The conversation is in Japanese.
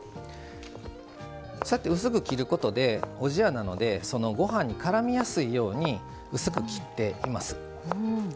そうやって薄く切ることでおじやなのでごはんにからみやすいように薄く切っています。